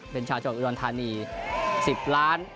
เป็นชาวจักรอิดวันธานี๑๐ล้าน